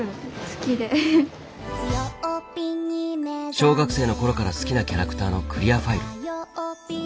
小学生のころから好きなキャラクターのクリアファイル。